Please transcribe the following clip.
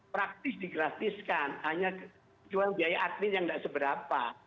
praktis digratiskan hanya jual biaya admin yang tidak seberapa